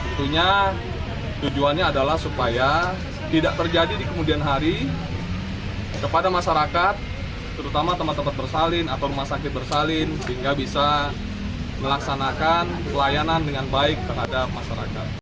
tentunya tujuannya adalah supaya tidak terjadi di kemudian hari kepada masyarakat terutama tempat tempat bersalin atau rumah sakit bersalin sehingga bisa melaksanakan pelayanan dengan baik terhadap masyarakat